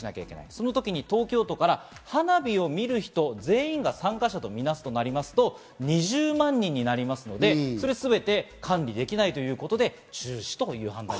その時に東京都から花火を見る人全員が参加者とみなすとなりますと、２０万人になりますので、それをすべて管理できないということで中止という判断。